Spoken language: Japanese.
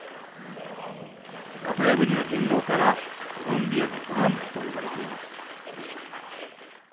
型破りな言動からコロンビアのトランプと呼ばれています。